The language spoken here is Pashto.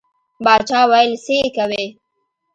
باچا ویل څه یې کوې.